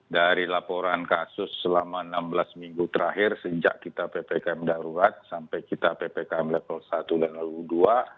dari laporan kasus selama enam belas minggu terakhir sejak kita ppkm darurat sampai kita ppkm level satu dan level dua